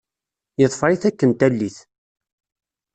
Yeḍfer-it akken tallit.